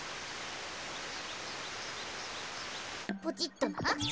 ポチッとな。